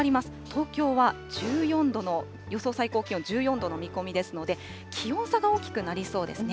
東京は１４度の、予想最高気温、１４度の見込みですので、気温差が大きくなりそうですね。